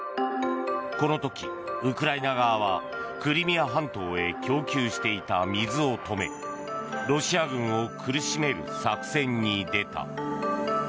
この時、ウクライナ側はクリミア半島へ供給していた水を止めロシア軍を苦しめる作戦に出た。